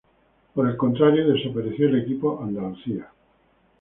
Por el contrario, desapareció el equipo Andalucía.